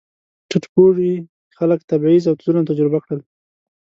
ټیټ پوړي خلک تبعیض او ظلم تجربه کړل.